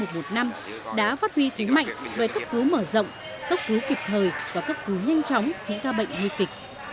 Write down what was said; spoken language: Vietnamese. các trạm cấp cứu mùa một năm đã phát huy thúy mạnh với cấp cứu mở rộng cấp cứu kịp thời và cấp cứu nhanh chóng những ca bệnh nguy kịch